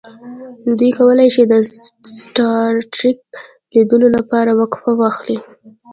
دوی کولی شي د سټار ټریک لیدلو لپاره وقفه واخلي